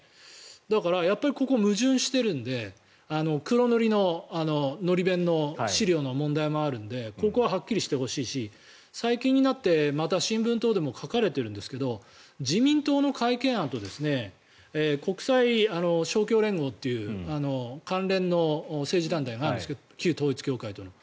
だからここは矛盾しているので黒塗りののり弁の資料の問題もあるのでここははっきりしてほしいし最近になって、また新聞等でも書かれてるんですけど自民党の改憲案と国際勝共連合という関連の政治団体があるんですけど旧統一教会との。